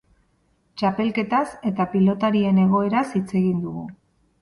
Txapelketaz eta pilotarien egoeraz hitz egin dugu.